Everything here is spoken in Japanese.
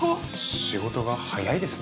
仕事が早いですね。